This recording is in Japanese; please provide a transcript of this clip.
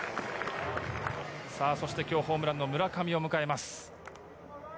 そして今日ホームランの村上を迎えます。